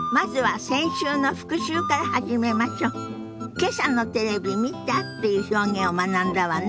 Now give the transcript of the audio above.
「けさのテレビ見た？」っていう表現を学んだわね。